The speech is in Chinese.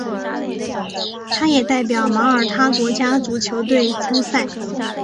他也代表马耳他国家足球队参赛。